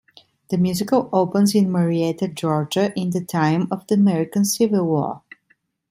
The musical opens in Marietta, Georgia, in the time of the American Civil War.